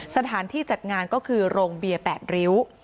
สถานที่จัดงานก็คือโรงเบียร์๘ริ้ว